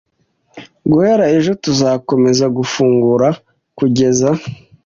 Guhera ejo, tuzakomeza gufungura kugeza